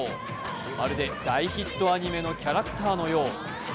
まるで、大ヒットアニメのキャラクターのよう。